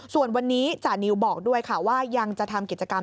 ส่วนวันนี้จานิวบอกด้วยค่ะว่ายังจะทำกิจกรรม